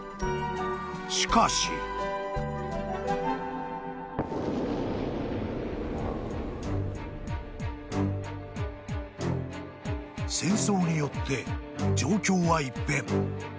［しかし］［戦争によって状況は一変］